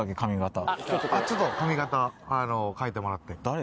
ちょっと髪形変えてもらって。